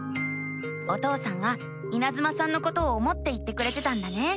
お父さんはいなずまさんのことを思って言ってくれてたんだね。